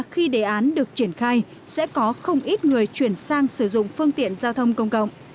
khi đề án được triển khai sẽ có không ít người chuyển sang sử dụng phương tiện giao thông công cộng